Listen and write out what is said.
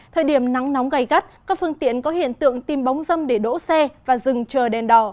thời điểm nắng nóng gây gắt các phương tiện có hiện tượng tìm bóng dâm để đỗ xe và dừng chờ đèn đỏ